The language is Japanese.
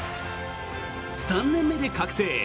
３年目で覚醒。